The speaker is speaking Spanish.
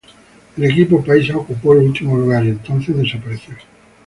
El equipo paisa ocupó el último lugar y entonces desapareció.